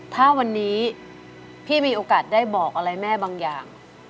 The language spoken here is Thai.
ถ้าวันนี้พี่มีโอกาสได้บอกอะไรแม่บางอย่าง